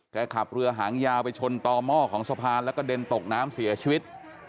ขับเรือหางยาวไปชนต่อหม้อของสะพานแล้วก็เด็นตกน้ำเสียชีวิต